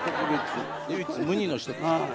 唯一無二の人ですから。